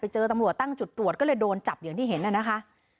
เจอตำรวจตั้งจุดตรวจก็เลยโดนจับอย่างที่เห็นน่ะนะคะ